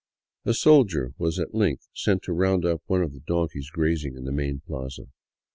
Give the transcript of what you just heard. A soldier was at length sent to round up one of the donkeys grazing in the main plaza.